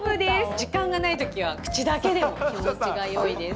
時間がないときは、口だけでも気持ちがよいです。